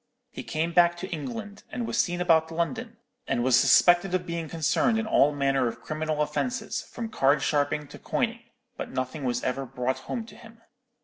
He came back to England, and was seen about London, and was suspected of being concerned in all manner of criminal offences, from card sharping to coining, but nothing was ever brought home to him.